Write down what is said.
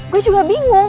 gue juga bingung